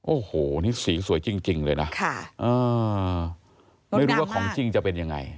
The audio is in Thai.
โอ้โหนี่สีสวยจริงเลยนะไม่รู้ว่าของจริงจะเป็นยังไง